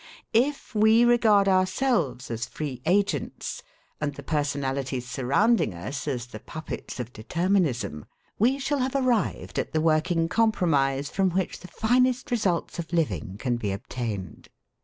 If we regard ourselves as free agents, and the personalities surrounding us as the puppets of determinism, we shall have arrived at the working compromise from which the finest results of living can be obtained.